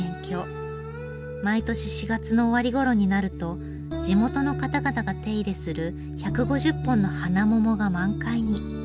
毎年４月の終わりごろになると地元の方々が手入れする１５０本の花桃が満開に。